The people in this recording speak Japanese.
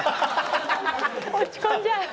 落ち込んじゃう。